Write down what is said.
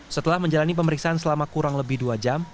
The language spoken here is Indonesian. setelah menjalani pemeriksaan selama kurang lebih dua jam